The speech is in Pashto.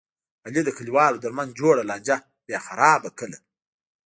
علي د کلیوالو ترمنځ جوړه لانجه بیا خرابه کړله.